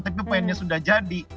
tapi pemainnya sudah jadi